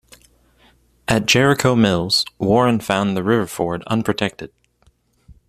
At Jericho Mills, Warren found the river ford unprotected.